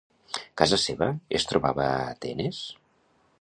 Casa seva es trobava a Atenes?